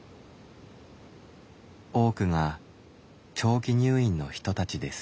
多くが長期入院の人たちです。